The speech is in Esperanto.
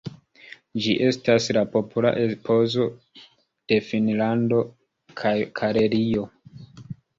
Ĝi estas la popola eposo de Finnlando kaj Karelio.